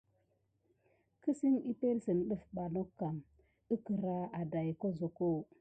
Kisin epəŋle sine def ba nokan əkəra a dayi asokob.